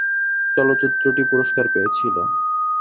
চলচ্চিত্রটি পুরস্কার পেয়েছিল।